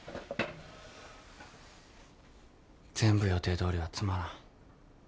全部予定どおりはつまらん。